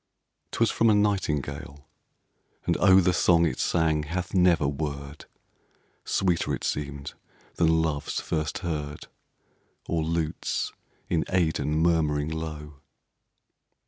'Twas from a nightingale, and oh! The song it sang hath never word! Sweeter it seemed than Love's, first heard, Or lutes in Aidenn murmuring low.